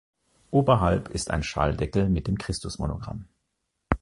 Oberhalb ist ein Schalldeckel mit dem Christusmonogramm.